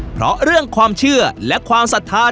เพราะเรื่องความเชื่อและความศรัทธา